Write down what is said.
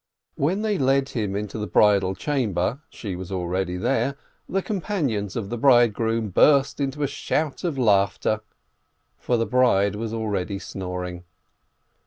When they led him into the bridal chamber — she was already there — the companions of the bridegroom burst into a shout of laughter, for the bride was already snoring.